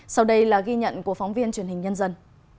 sau đây là ghi nhận của phóng viên truyền hình nhân dân